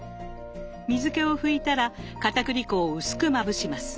水けを拭いたらかたくり粉を薄くまぶします。